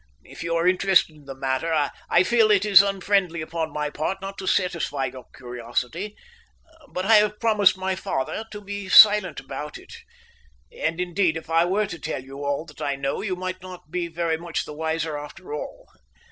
If you are interested in the matter, I feel it is unfriendly upon my part not to satisfy your curiosity, but I have promised my father to be silent about it. And indeed if I were to tell you all that I know you might not be very much the wiser after all.